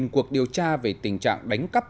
cuộc điều tra về tình trạng đánh cắp